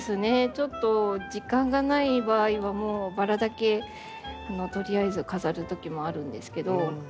ちょっと時間がない場合はバラだけとりあえず飾るときもあるんですけど。